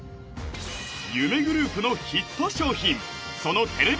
夢グループのヒット商品そのテレビ